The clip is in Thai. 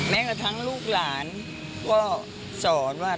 กระทั่งลูกหลานก็สอนว่า